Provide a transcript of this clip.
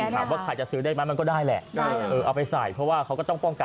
ถามว่าใครจะซื้อได้ไหมมันก็ได้แหละเอาไปใส่เพราะว่าเขาก็ต้องป้องกัน